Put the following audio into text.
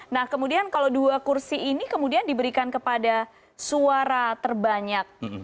nah kemudian kalau dua kursi ini kemudian diberikan kepada suara terbanyak